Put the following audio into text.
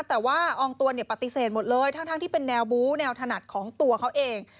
แต่ว่าอองตัวเนี่ยปฏิเสธหมดเลยทั้งที่เป็นแนวบู้แนวถนัดของตัวเขาเอง